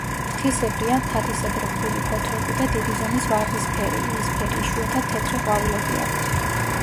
ფრთისებრი ან თათისებრ რთული ფოთლები და დიდი ზომის ვარდისფერი, იისფერი, იშვიათად თეთრი ყვავილები აქვთ.